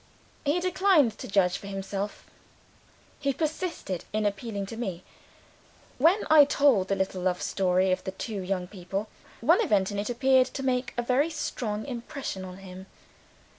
He declined to judge for himself; he persisted in appealing to me. When I told the little love story of the two young people, one event in it appeared to make a very strong impression on him.